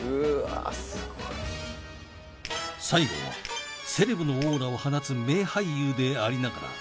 「最後はセレブのオーラを放つ名俳優でありながら」